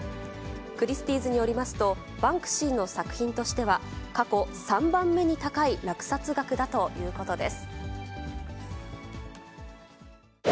クリスティーズによりますと、バンクシーの作品としては、過去３番目に高い落札額だということです。